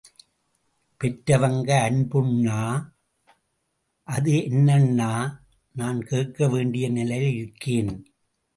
பெற்றவங்க அன்புண்ணா அது என்னான்னு நான் கேட்க வேண்டிய நிலையில் இருக்கேன்.